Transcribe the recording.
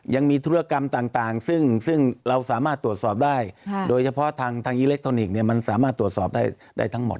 ธุรกรรมต่างซึ่งเราสามารถตรวจสอบได้โดยเฉพาะทางอิเล็กทรอนิกส์มันสามารถตรวจสอบได้ทั้งหมด